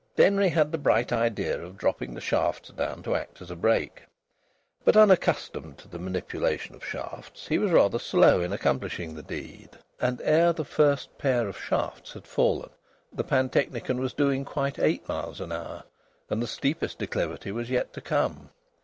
Denry had the bright idea of dropping the shafts down to act as a brake. But, unaccustomed to the manipulation of shafts, he was rather slow in accomplishing the deed, and ere the first pair of shafts had fallen the pantechnicon was doing quite eight miles an hour and the steepest declivity was yet to come.